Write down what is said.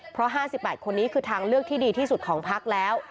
เพราะ๕๘คนนี้คือทางเลือกที่ดีที่สุดของพักแล้ว